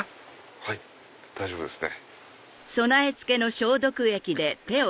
はい大丈夫ですね。